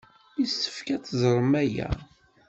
Yessefk ad teẓrem aya.